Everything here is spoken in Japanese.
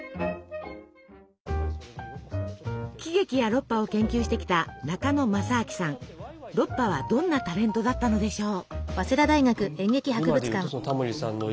喜劇やロッパを研究してきたロッパはどんなタレントだったのでしょう？